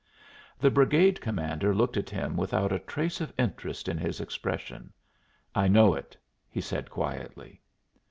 The brigade commander looked at him without a trace of interest in his expression. "I know it," he said quietly.